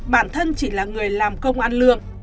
bản thân chỉ là người làm công ăn lương